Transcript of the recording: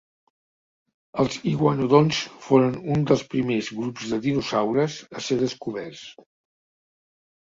Els iguanodonts foren un dels primers grups de dinosaures a ser descoberts.